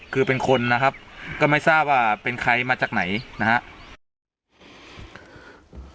คือเป็นคนนะครับก็ไม่ทราบว่าเป็นใครมาจากไหนนะครับ